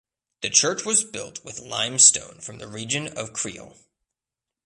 The church was built with limestone from the region of Creil.